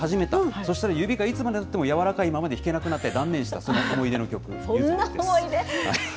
そしたら指がいつまでたっても柔らかいままで、弾けなくなって断念した、その思い出の曲、ゆずです。